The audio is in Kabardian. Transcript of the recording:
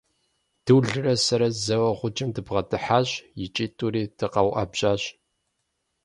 Дулрэ сэрэ зэуэ гъуджэм дыбгъэдыхьащ икӀи тӀури дыкъэуӀэбжьащ.